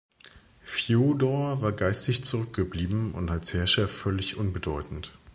Fjodor war geistig zurückgeblieben und als Herrscher völlig unbedeutend.